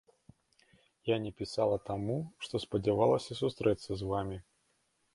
Я не пісала таму, што спадзявалася сустрэцца з вамі.